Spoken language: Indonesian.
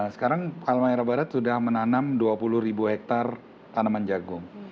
sekarang palmaira barat sudah menanam dua puluh ribu hektare tanaman jagung